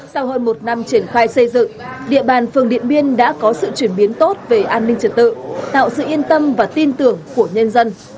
sau hơn một năm triển khai xây dựng địa bàn phường điện biên đã có sự chuyển biến tốt về an ninh trật tự tạo sự yên tâm và tin tưởng của nhân dân